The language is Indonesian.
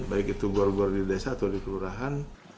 baik itu guar guar di desa atau di kelurahan